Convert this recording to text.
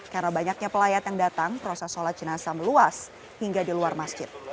karena banyaknya pelayat yang datang proses sholat jenazah meluas hingga di luar masjid